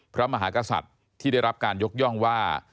พระมหากษัตริย์ที่ได้รับการยกย่องว่า